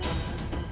kau mau turun tangan